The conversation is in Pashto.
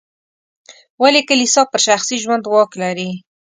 ولې کلیسا پر شخصي ژوند واک لري.